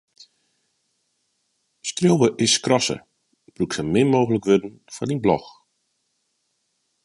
Skriuwe is skrasse: brûk sa min mooglik wurden foar dyn blog.